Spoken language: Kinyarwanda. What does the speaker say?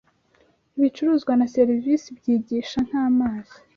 ibicuruzwa na serivisi byigisha nkamazi